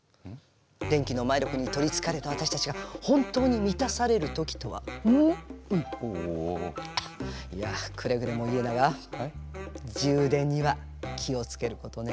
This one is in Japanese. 電気の魔力に取りつかれた私たちが本当に満たされる時とはうっいやくれぐれも家長充電には気をつけることね。